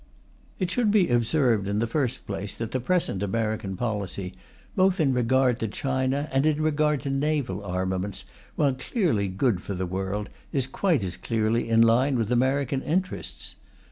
It should be observed, in the first place, that the present American policy, both in regard to China and in regard to naval armaments, while clearly good for the world, is quite as clearly in line with American interests.